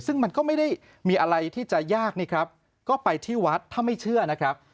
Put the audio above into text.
ซึ่งมันก็ไม่ได้มีอะไรที่จะยากนี่ครับก็ไปที่วัดถ้าไม่เชื่อนะครับ